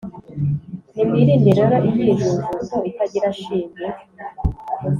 Nimwirinde rero imyijujuto itagira shinge,